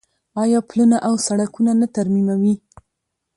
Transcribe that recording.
آیا پلونه او سړکونه نه ترمیموي؟